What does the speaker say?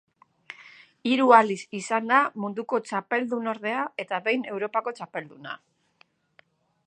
Hiru aldiz izan da munduko txapeldunordea eta behin Europako txapelduna.